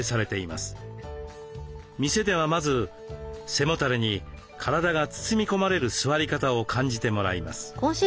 店ではまず背もたれに体が包み込まれる座り方を感じてもらいます。